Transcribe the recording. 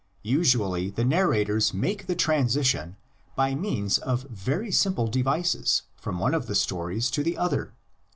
Usually the nar rators make the transition by means of very simple devices from one of the stories to the other.